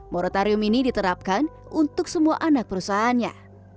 moratorium ini diterapkan untuk semua anak perusahaannya